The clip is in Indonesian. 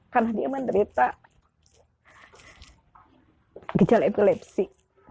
karena dia menderita gejala epilepsi